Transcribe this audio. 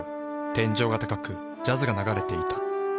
天井が高くジャズが流れていた。